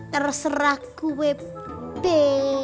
terserah gue be